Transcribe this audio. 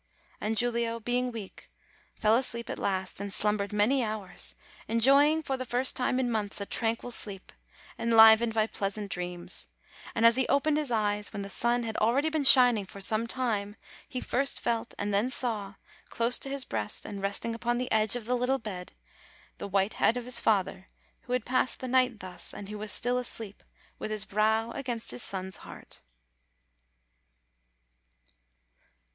and Giulio, being weak, fell asleep at last, and slumbered many hours, enjoying, for the first time in months, a tranquil sleep, enlivened by pleasant dreams; and as he opened his eyes, when the sun had already been shining for some time, he first felt, and then saw, close to his breast, and resting upon the edge of the little bed, the white head of his father, who had passed the night thus, and who was still asleep, with his brow against his son's heart.